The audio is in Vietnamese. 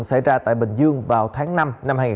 xảy ra tại bình dương vào tháng năm năm hai nghìn một mươi chín